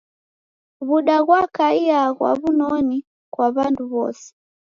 W'uda ghwakaia ghwa w'unoni kwa w'andu w'ose.